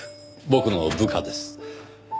僕の部下です。